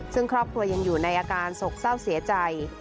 ซึ่งครอบครัวยังอยู่ในอาการโศกเศร้าเสียใจ